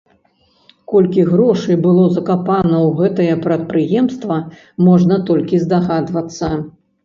Колькі грошай было закапана ў гэтае прадпрыемства, можна толькі здагадвацца.